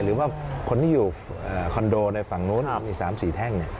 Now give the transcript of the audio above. หรือว่าคนที่อยู่คอนโดในฝั่งนู้นมี๓๔แท่ง